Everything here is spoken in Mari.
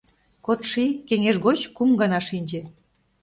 Кодший кеҥеж гоч кум гана шинче.